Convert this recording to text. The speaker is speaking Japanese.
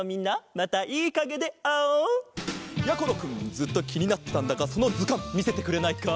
ずっときになってたんだがそのずかんみせてくれないか？